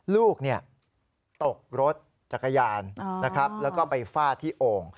ลูกตกรถจักรยานแล้วก็ไปฝ้าที่โอ่ง